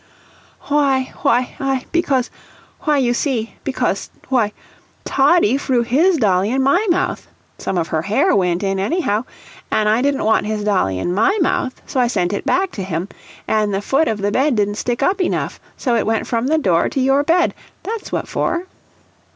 "Why why I because why, you see because, why, Toddie froo his dolly in my mouth; some of her hair went in, any how, an' I didn't want his dolly in my mouth, so I sent it back to him, an' the foot of the bed didn't stick up enough, so it went from the door to your bed that's what for."